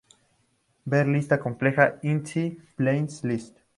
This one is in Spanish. Ver lista completa "in" The Plant List